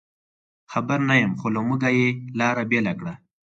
خبر نه یم، خو له موږه یې لار بېله کړه.